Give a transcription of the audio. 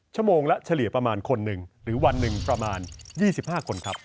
ชั่วโมงละเฉลี่ยประมาณคนหนึ่งหรือวันหนึ่งประมาณ๒๕คนครับ